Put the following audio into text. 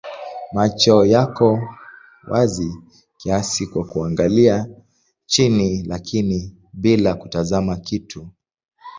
Macho yako wazi kiasi kwa kuangalia chini lakini bila kutazama kitu.